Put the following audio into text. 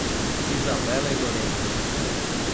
Isabella e Lorenzo